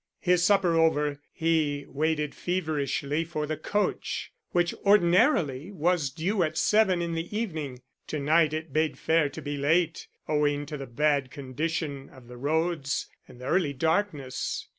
His supper over, he waited feverishly for the coach, which ordinarily was due at seven in the evening. To night it bade fair to be late, owing to the bad condition of the roads and the early darkness.